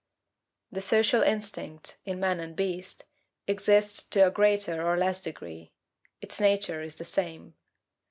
The social instinct, in man and beast, exists to a greater or less degree its nature is the same.